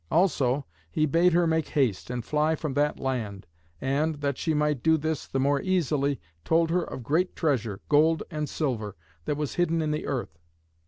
Also he bade her make haste and fly from that land, and, that she might do this the more easily, told her of great treasure, gold and silver, that was hidden in the earth.